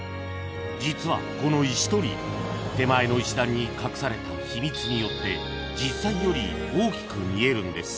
［実はこの石鳥居手前の石段に隠された秘密によって実際より大きく見えるんです］